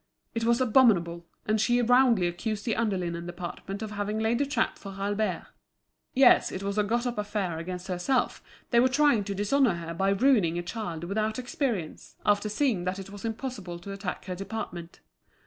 It was abominable, and she roundly accused the under linen department of having laid a trap for Albert. Yes, it was a got up affair against herself, they were trying to dishonour her by ruining a child without experience, after seeing that it was impossible to attack her department.